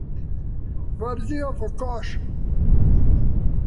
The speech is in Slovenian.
Vrzi jo v koš.